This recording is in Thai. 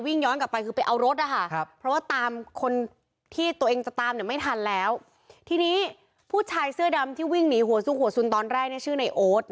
วิ่งย้อนกลับไปคือไปเอารถ